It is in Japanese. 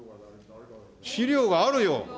資料があるよ。